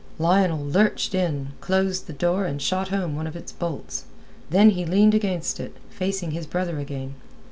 Lionel lurched in, closed the door, and shot home one of its bolts. Then he leaned against it, facing his brother again.